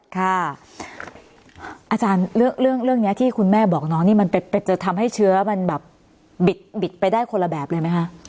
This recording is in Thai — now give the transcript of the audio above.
อาจารย์เรื่องนี้ที่คุณแม่บอกน้องนี่มันจะทำให้เชื้อมันแบบบิดไปได้คนละแบบเลยไหมคะ